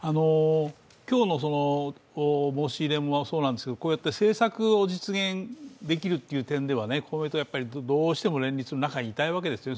今日の申し入れもそうなんですけど、こうやって政策を実現できる点では公明党、やっぱりどうしても連立の中にいたいわけですよね